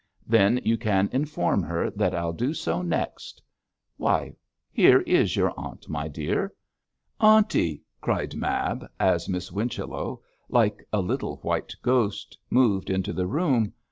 'Then you can inform her that I'll do so next why, here is your aunt, my dear.' 'Aunty!' cried Mab, as Miss Whichello, like a little white ghost, moved into the room.